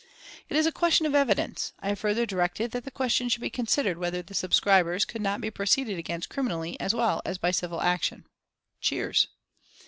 "It is a question of evidence.... I have further directed that the question should be considered whether the subscribers could not be proceeded against criminally as well as by civil action." (Cheers.)